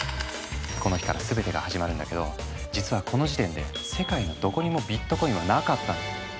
この日から全てが始まるんだけど実はこの時点で世界のどこにもビットコインはなかったの。